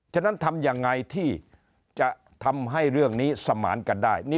ฉะนั้นทำยังไงที่จะทำให้เรื่องนี้สมานกันได้